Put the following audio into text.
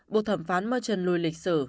buộc thẩm phán machen lùi lịch sử